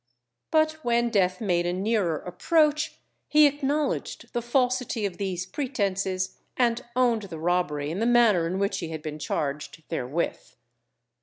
But when death made a nearer approach he acknowledged the falsity of these pretences, and owned the robbery in the manner in which he had been charged therewith.